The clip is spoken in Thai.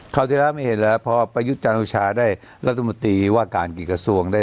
คราวทีเหล้าไม่เห็นแหละพอไปยุดจันทร์โอชาได้ลังมูติว่ากาญกิจกระทรวงได้